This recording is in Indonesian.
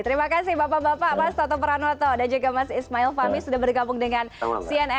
terima kasih bapak bapak mas toto pranoto dan juga mas ismail fahmi sudah bergabung dengan cnn indonesia